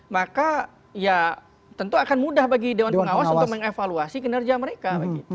maka ya tentu akan mudah bagi dewan pengawas untuk mengevaluasi kinerja mereka